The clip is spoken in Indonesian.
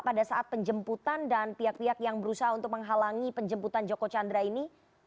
pada saat penjemputan dan pihak pihak yang berusaha untuk menghalangi penjemputan joko chandra ini